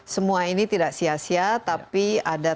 semua ini tidak sia sia tapi ada